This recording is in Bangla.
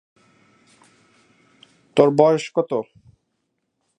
তোর বয়স কত?